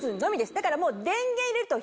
だからもう。